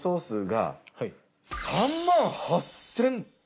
３万８０００。